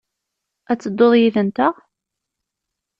Ad tedduḍ yid-nteɣ?